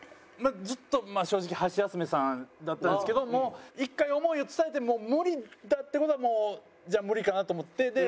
ずっとまあ正直ハシヤスメさんだったんですけどもう１回思いを伝えて無理だっていう事はもうじゃあ無理かなと思って。